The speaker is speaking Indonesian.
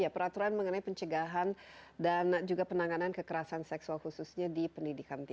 peraturan mengenai pencegahan dan juga penanganan kekerasan seksual khususnya di pendidikan